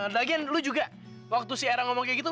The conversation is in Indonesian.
ada lagi lu juga waktu si aira ngomong kayak gitu